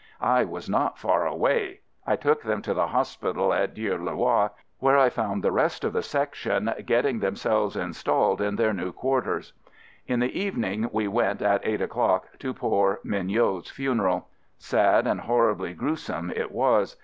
I was not far away. I took them to the hospital at Dieulouard, where I found the rest of 78 AMERICAN AMBULANCE the Section getting themselves installed in their new quarters. In the evening we went, at eight o'clock, to poor Mignot's funeral. Sad and horribly gruesome it was.